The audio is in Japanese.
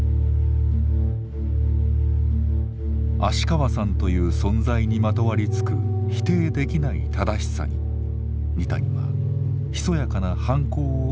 芦川さんという存在にまとわりつく否定できない正しさに二谷はひそやかな反抗を企てる。